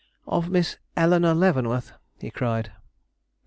"Of Miss Eleanore Leavenworth!" he cried.